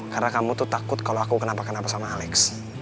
karena kamu tuh takut kalau aku kenapa kenapa sama alex